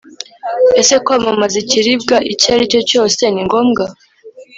Ese kwamamaza ikiribwa icyo ari cyo cyose ni ngombwa?